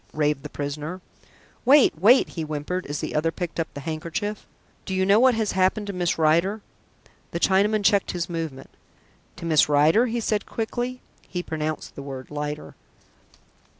raved the prisoner. "Wait, wait!" he whimpered as the other picked up the handkerchief. "Do you know what has happened to Miss Rider?" The Chinaman checked his movement. "To Miss Rider?" he said quickly. (He pronounced the word "Lider.")